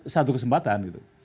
satu kesempatan gitu